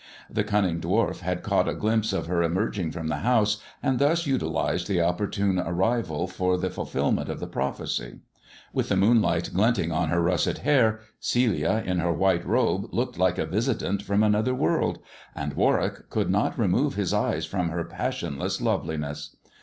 The cunning dwarf had caught a glimpse of her emerging from the house, and thus utilized the op portune arrival for the fulfilment of the prophecy. With the moonlight glinting on her russet hair, Celia in her white robe looked like a visitant from another world ; and Warwick could not remove his eyes from her passionless loveliness.